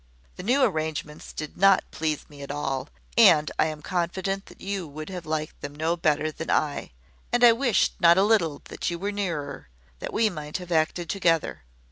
The new arrangements did not please me at all; and I am confident that you would have liked them no better than I; and I wished not a little that you were nearer, that we might have acted together.